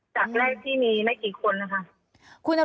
จากแรกที่มีไม่กี่คนนะคะ